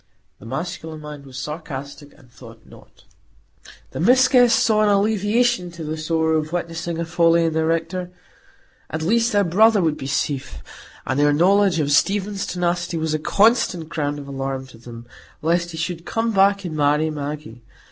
The masculine mind was sarcastic, and thought not. The Miss Guests saw an alleviation to the sorrow of witnessing a folly in their Rector; at least their brother would be safe; and their knowledge of Stephen's tenacity was a constant ground of alarm to them, lest he should come back and marry Maggie.